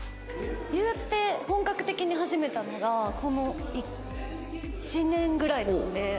言うて本格的に始めたのがこの１年ぐらいなので。